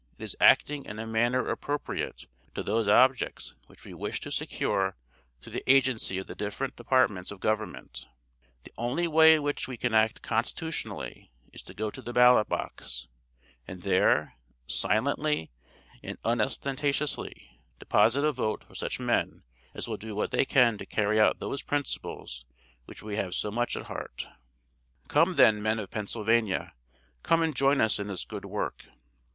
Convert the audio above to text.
It is _acting in a manner appropriate to those objects which we wish to secure through the agency of the different departments of Government_. The only way in which we can act constitutionally, is to go to the ballot box, and there, silently and unostentatiously, deposit a vote for such men as will do what they can to carry out those principles which we have so much at heart. "Come, then, men of Pennsylvania, come and join us in this good work.